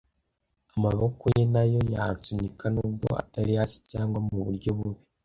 amaboko ye nayo yansunika, nubwo atari hasi cyangwa muburyo bubi.